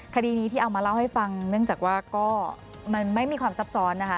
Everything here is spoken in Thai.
คดีนี้ที่เอามาเล่าให้ฟังเนื่องจากว่าก็มันไม่มีความซับซ้อนนะคะ